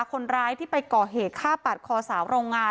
คนร้ายที่ไปก่อเหตุฆ่าปาดคอสาวโรงงาน